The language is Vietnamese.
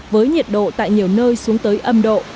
với nhiệt độ tại nhiều nơi xuống tới âm độ